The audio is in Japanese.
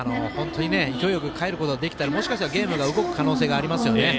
かえることができたらもしかしたらゲームが動く可能性がありますよね。